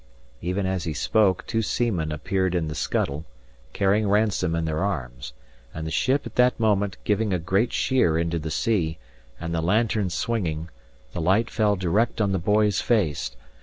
Even as he spoke, two seamen appeared in the scuttle, carrying Ransome in their arms; and the ship at that moment giving a great sheer into the sea, and the lantern swinging, the light fell direct on the boy's face.